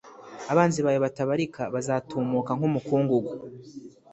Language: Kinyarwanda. Abanzi bawe batabarika bazatumuka nk’umukungugu,